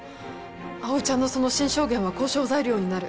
葵ちゃんのその新証言は交渉材料になる。